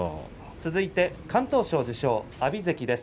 続いて敢闘賞受賞阿炎関です。